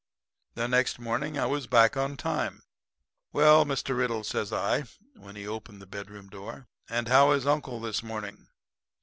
"The next morning I was back on time. 'Well, Mr. Riddle,' says I, when he opened the bedroom door, 'and how is uncle this morning?'